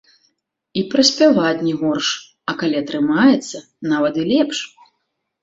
І праспяваць не горш, а калі атрымаецца, нават і лепш.